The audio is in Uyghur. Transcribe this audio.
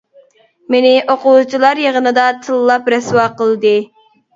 مېنى ئوقۇغۇچىلار يىغىنىدا تىللاپ رەسۋا قىلدى.